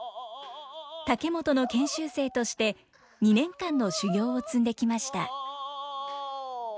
竹本の研修生として２年間の修業を積んできました。